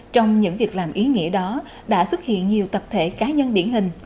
trong những việc làm ý nghĩa đó đã xuất hiện nhiều tập thể cá nhân điển hình